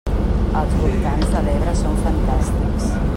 Els voltants de l'Ebre són fantàstics!